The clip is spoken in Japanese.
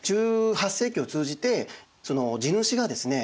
１８世紀を通じて地主がですね